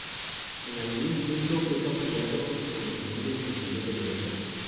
En algún punto fue capturado y convertido en prisionero de guerra.